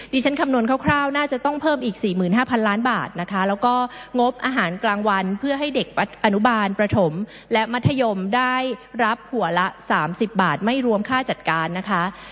ที่ฉันคำนวณคร่าวน่าจะต้องเพิ่มอีก๔๕๐๐ล้านบาทนะคะแล้วก็งบอาหารกลางวันเพื่อให้เด็กอนุบาลประถมและมัธยมได้รับหัวละ๓๐บาทไม่รวมค่าจัดการนะคะ